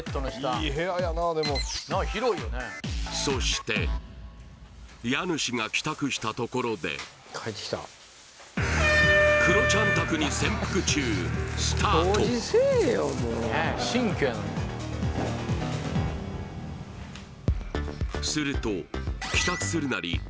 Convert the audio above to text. そして家主が帰宅したところでクロちゃん宅に潜伏中スタートすると帰宅するなり